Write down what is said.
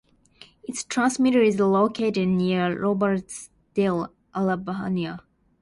Its transmitter is located near Robertsdale, Alabama.